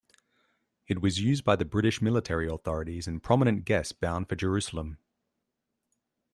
It was used by the British military authorities and prominent guests bound for Jerusalem.